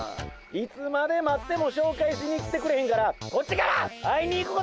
いつまで待ってもしょうかいしに来てくれへんからこっちから会いに行くことにしたわ！